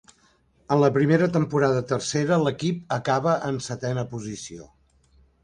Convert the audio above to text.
En la primera temporada a Tercera, l'equip acaba en setena posició.